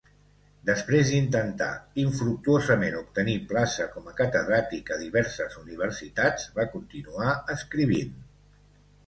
Després d'intentar infructuosament obtenir plaça com a catedràtic a diverses universitats, va continuar escrivint.